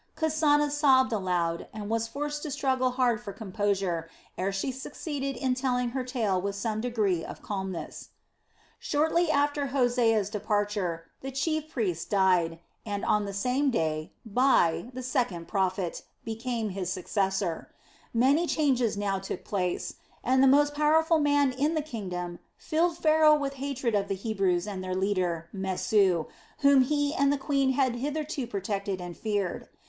Kasana sobbed aloud and was forced to struggle hard for composure ere she succeeded in telling her tale with some degree of calmness. Shortly after Hosea's departure the chief priest died and, on the same day Bai, the second prophet, became his successor. Many changes now took place, and the most powerful man in the kingdom filled Pharaoh with hatred of the Hebrews and their leader, Mesu, whom he and the queen had hitherto protected and feared.